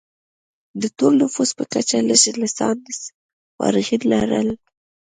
د ټول نفوس په کچه لږ لسانس فارغین لرل.